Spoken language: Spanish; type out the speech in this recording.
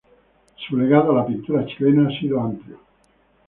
Su legado a la pintura chilena ha sido amplio.